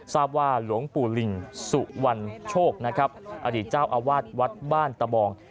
ทราบว่าหลวงปู่ลิงสุวรรณโชคนะครับอดีตเจ้าอาวาสวัดบ้านตะบอง